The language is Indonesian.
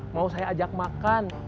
mau saya ajak makan